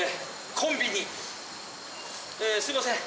コンビニすいません